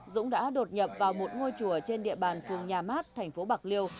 dũng đã đột nhập vào một ngôi chùa trên địa bàn phường nhà mát thành phố bạc liêu